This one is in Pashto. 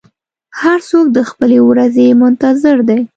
هر څوک د خپلې ورځې منتظر دی.